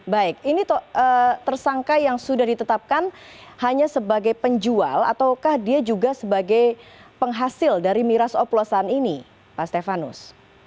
baik ini tersangka yang sudah ditetapkan hanya sebagai penjual ataukah dia juga sebagai penghasil dari miras oplosan ini pak stefanus